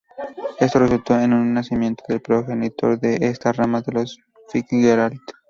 Esto resultó en el nacimiento del progenitor de esta rama de los Fitzgerald.